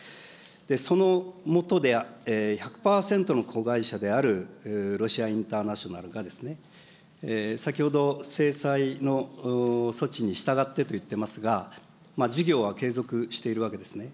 そのもとで、１００％の子会社であるロシアインターナショナルがですね、先ほど、制裁の措置に従ってと言ってますが、事業は継続しているわけですね。